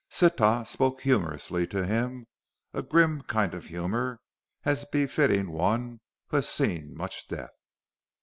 Sitah spoke humorously to him, a grim kind of humor, as befitting one who has seen much death.